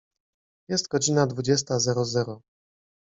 Jest godzina dwudziesta zero zero.